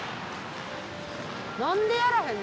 何でやらへんの？